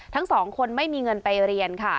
ทั้งสองคนไม่มีเงินไปเรียนค่ะ